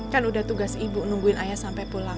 kan udah tugas ibu nungguin ayah sampai pulang